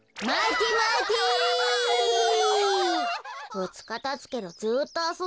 ふつかたつけどずっとあそんでるわね。